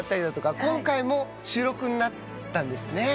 今回収録になったんですね。